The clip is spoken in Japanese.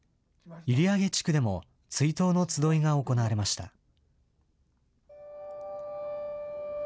閖上地区でも、追悼のつどいが行われました。